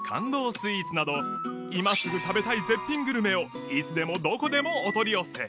スイーツなど今すぐ食べたい絶品グルメをいつでもどこでもお取り寄せ